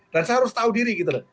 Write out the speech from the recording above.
dan saya harus tahu diri gitu